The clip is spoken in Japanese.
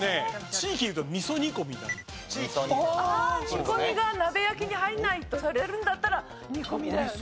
煮込みが鍋焼きに入らないとされるんだったら煮込みだよね。